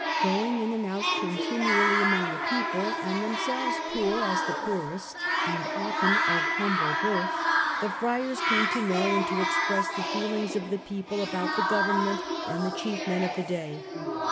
Going in and out continually among the people, and themselves poor as the poorest, and often of humble birth, the friars came to know and to express the feelings of the people about the government and the chief men of the day.